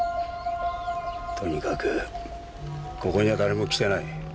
とにかくここには誰も来てない。